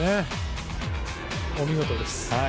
お見事です。